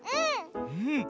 うん！